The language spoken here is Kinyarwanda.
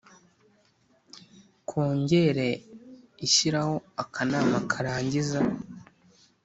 Kongere ishyiraho akanama karangiza